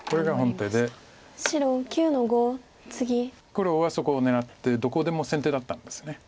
黒はそこを狙ってどこでも先手だったんです。